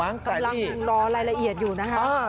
กำลังรอรายละเอียดอยู่นะคะ